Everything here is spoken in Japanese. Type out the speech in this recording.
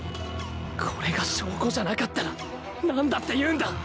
これが証拠じゃなかったら何だっていうんだ！